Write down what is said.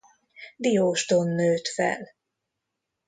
Diósdon nőtt fel.